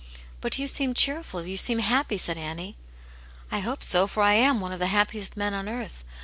" But you seem cheerful, you seem happy," said Annie. " I hope so, for I am one of the happiest men on earth.